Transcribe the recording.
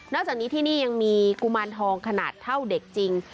จากนี้ที่นี่ยังมีกุมารทองขนาดเท่าเด็กจริง